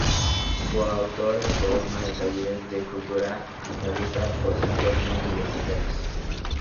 Coautor del programa de talleres de cultura andaluza para centros no universitarios.